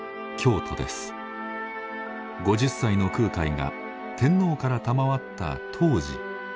５０歳の空海が天皇から賜った東寺。